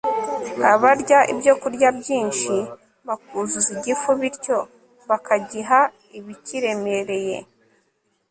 abarya ibyokurya byinshi bakuzuza igifu, bityo bakagiha ibikiremereye